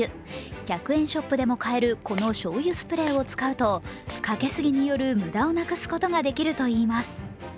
１００円ショップでも買える、このしょうゆスプレーを使うとかけすぎによる無駄をなくすことができるといいます。